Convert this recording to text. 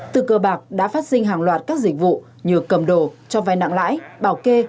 từ cơ bạc đã phát sinh hàng loạt các dịch vụ như cầm đồ cho vai nặng lãi bảo kê